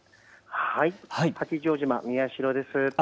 八丈島、宮代です。